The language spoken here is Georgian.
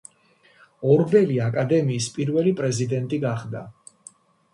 ორბელი აკადემიის პირველი პრეზიდენტი გახდა.